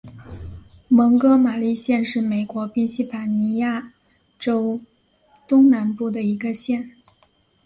蒙哥马利县是美国宾夕法尼亚州东南部的一个县。